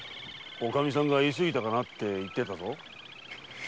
おカミさんが言い過ぎたかなって言ってたぞ。